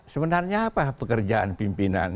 sebenarnya apa pekerjaan pimpinan